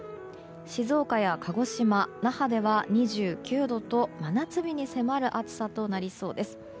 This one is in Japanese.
静岡や鹿児島、那覇では２９度と真夏日に迫る暑さとなりそうです。